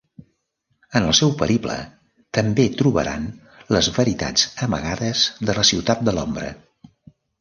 En el seu periple, també trobaran les veritats amagades de la Ciutat de l'ombra.